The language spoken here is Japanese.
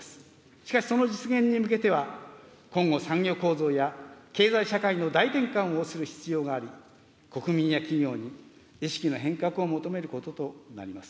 しかしその実現に向けては、今後、産業構造や経済社会の大転換をする必要があり、国民や企業に意識の変革を求めることとなります。